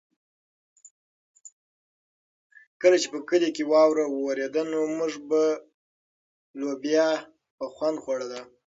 کله چې په کلي کې واوره ورېده نو موږ به لوبیا په خوند خوړله.